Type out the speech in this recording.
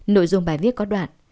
nội dung bài viết có đoạn